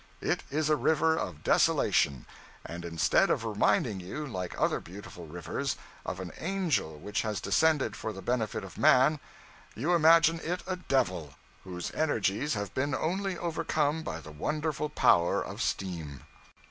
It is a river of desolation; and instead of reminding you, like other beautiful rivers, of an angel which has descended for the benefit of man, you imagine it a devil, whose energies have been only overcome by the wonderful power of steam.'